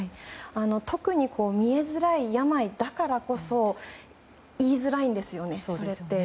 特に見えづらい病だからこそ言いづらいんですよね。